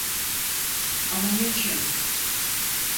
Ama niçin?